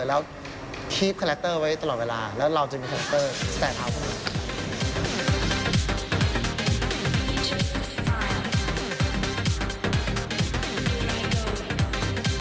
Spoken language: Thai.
แล้วคลิปคาแรคเตอร์ไว้ตลอดเวลาแล้วเราจะมีคาแรคเตอร์แสดงครอบครัว